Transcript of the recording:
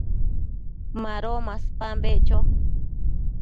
Mado maspan beccho